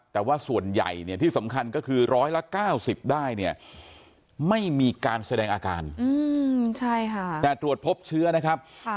แต่ว่าส่วนใหญ่เนี่ยที่สำคัญก็คือร้อยละ๙๐ได้เนี่ยไม่มีการแสดงอาการแต่ตรวจพบเชื้อนะครับ